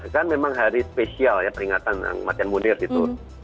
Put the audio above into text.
kan memang hari spesial ya peringatan kematian munir gitu